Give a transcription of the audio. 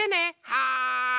はい。